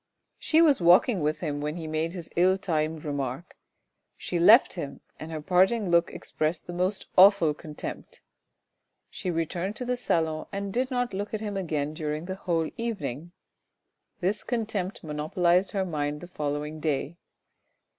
She was walking with him when he made his ill timed remark ; she left him, and her parting look expressed the most awful contempt. She returned to the salon and did not look at him again during the whole evening. This contempt monopolised her mind the following day.